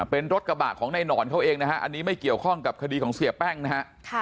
เป็นรถกระบะของในหนอนเขาเองนะฮะอันนี้ไม่เกี่ยวข้องกับคดีของเสียแป้งนะฮะ